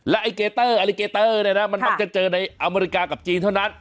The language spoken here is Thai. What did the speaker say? ไอ้เกเตอร์อลิเกเตอร์เนี่ยนะมันมักจะเจอในอเมริกากับจีนเท่านั้น